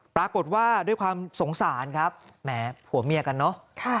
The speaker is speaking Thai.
ปรากฏว่าด้วยความสงสารครับแหมผัวเมียกันเนอะ